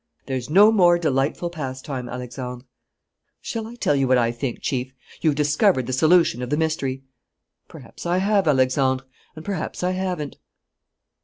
"There's no more delightful pastime, Alexandre." "Shall I tell you what I think, Chief? You've discovered the solution of the mystery!" "Perhaps I have, Alexandre, and perhaps I haven't."